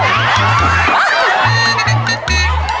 ใช่